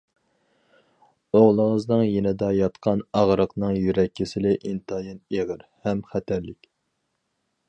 ئوغلىڭىزنىڭ يېنىدا ياتقان ئاغرىقنىڭ يۈرەك كېسىلى ئىنتايىن ئېغىر ھەم خەتەرلىك.